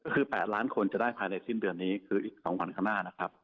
คือ๘ล้านคนจะได้ภายในสิ้นเดือนนี้คืออีก๒วันข้างหน้านะครับ